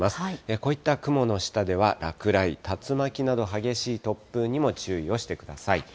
こういった雲の下では、落雷、竜巻など、激しい突風にも注意をしてください。